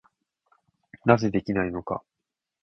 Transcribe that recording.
なぜできないのか。